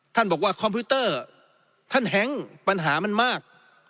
บอกว่าคอมพิวเตอร์ท่านแฮ้งปัญหามันมาก